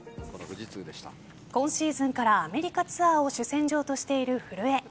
今シーズンからアメリカツアーを主戦場としている古江。